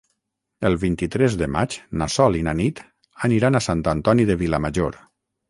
El vint-i-tres de maig na Sol i na Nit aniran a Sant Antoni de Vilamajor.